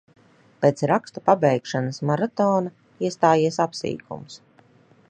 Pēc rakstu pabeigšanas maratona iestājies apsīkums.